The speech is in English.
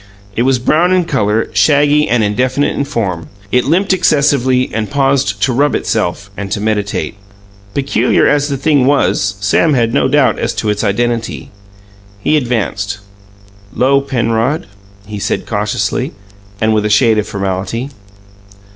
It was brown in colour, shaggy and indefinite in form; it limped excessively, and paused to rub itself, and to meditate. Peculiar as the thing was, Sam had no doubt as to its identity. He advanced. "'Lo, Penrod," he said cautiously, and with a shade of formality.